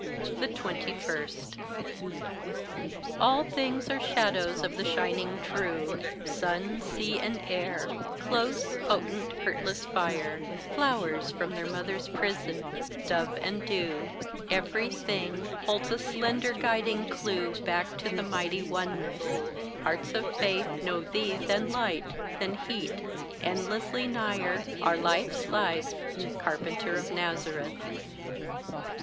21. All things are shadows of the shining true: Sun, sea, and air close, potent, hurtless fire Flowers from their mother's prison dove, and dew Every thing holds a slender guiding clue Back to the mighty oneness: hearts of faith Know thee than light, than heat, endlessly nigher, Our life's life, carpenter of Nazareth.